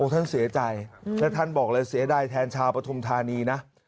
ท่านเสียใจและท่านบอกเลยเสียดายแทนชาวปฐุมธานีนะ